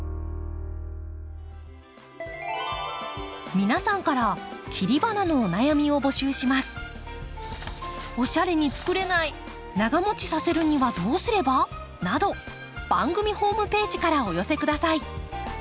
皆さんから切り花のお悩みを募集します。など番組ホームページからお寄せください。